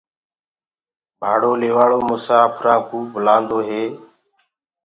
ڀاڙو ليوآݪو مساڦرانٚ ڪو بلانٚدو هي